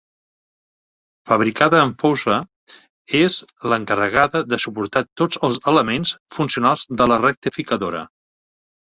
Fabricada en fosa és l'encarregada de suportar tots els elements funcionals de la rectificadora.